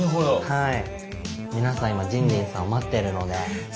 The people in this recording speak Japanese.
はい。